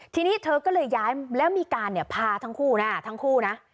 ทีนี้เธอก็เลยย้ายแล้วมีการเนี่ยพาทั้งคู่นะทั้งคู่นะ